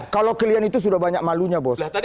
kalau kalian itu sudah banyak malunya bos